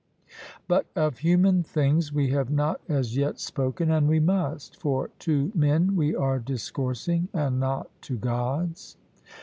But of human things we have not as yet spoken, and we must; for to men we are discoursing and not to Gods.